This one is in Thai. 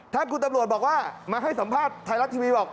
ถ้าคุณตำรวจบอกว่ามาให้สัมภาษณ์ไทยรัฐทีวีบอก